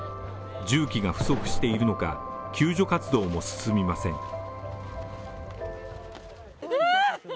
重機が不足しているのか救助活動も進みません。